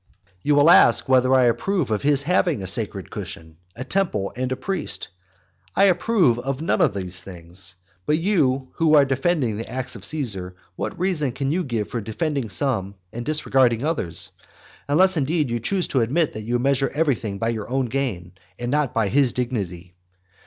You will ask whether I approve of his having a sacred cushion, a temple and a priest? I approve of none of those things. But you, who are defending the acts of Caesar, what reason can you give for defending some, and disregarding others? unless, indeed, you choose to admit that you measure everything by your own gain, and not by his dignity.